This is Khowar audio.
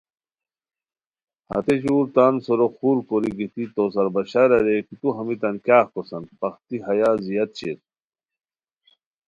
ہتے ژور تان سورو خور کوری گیتی تو سار بشار اریر کی تو ہمیتان کیاغ کوسان پختی ہیا زیاد شیر